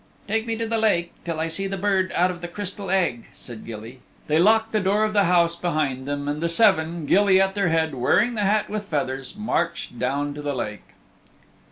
"Take me to the lake till I see the Bird out of the Crystal Egg," said Gilly. They locked the door of the house behind them, and the seven, Gilly at their head, wearing the hat with feathers, marched down to the lake.